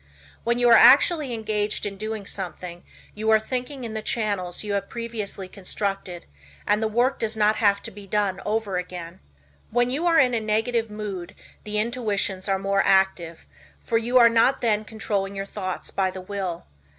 When you are actually engaged in doing something, you are thinking in the channels you have previously constructed and the work does not have to be done over again. When you are in a negative mood the intuitions are more active, for you are not then controlling your thoughts by the will.